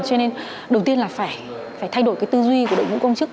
cho nên đầu tiên là phải thay đổi cái tư duy của đội ngũ công chức